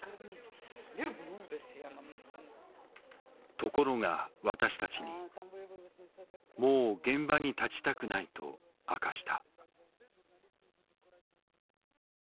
ところが私たちにもう現場に立ちたくないと明かした。